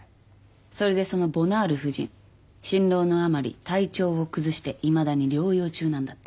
それでそのボナール夫人心労のあまり体調を崩していまだに療養中なんだって。